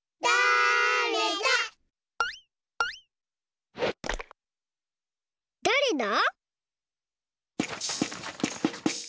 だれだ？